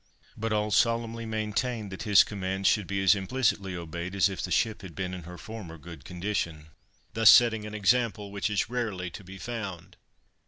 But all solemnly maintained that his commands should be as implicitly obeyed as if the ship had been in her former good condition; thus setting an example which is rarely to be found.